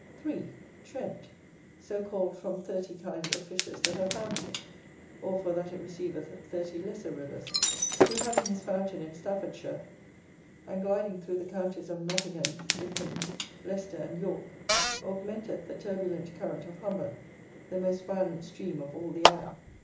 3. TRENT, so called from thirty kind of fishes that are found in it, or for that it receiveth thirty lesser rivers; who having his fountain in Staffordshire, and gliding through the counties of Nottingham, Lincoln, Leicester, and York, augmenteth the turbulent current of Humber, the most violent stream of all the isle.